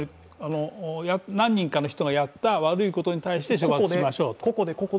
何人かの人がやった悪いことに対して処罰しましょうと。